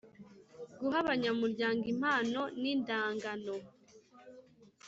guha abanyamuryango impano n’ indagano